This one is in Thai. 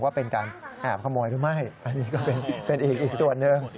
ว่าเป็นการแอบขโมยหรือไม่อันนี้ก็เป็นอีกส่วนหนึ่ง